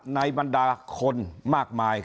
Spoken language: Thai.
บรรดาคนมากมาย